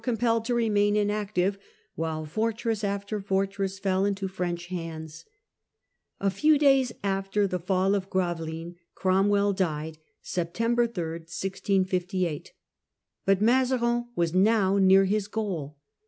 compelled to remain inactive while fortress after fortress fell into French hands. A few days after the fall of Gravelines Cromwell died ; but Mazarin was now near his goal.